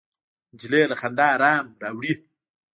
نجلۍ له خندا ارام راوړي.